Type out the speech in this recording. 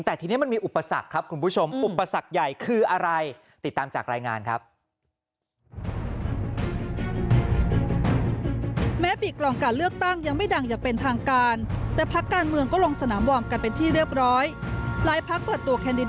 แต่ทีนี้มันมีอุปสรรคครับคุณผู้ชมอุปสรรคใหญ่คืออะไร